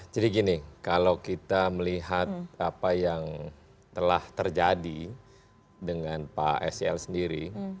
gini kalau kita melihat apa yang telah terjadi dengan pak sel sendiri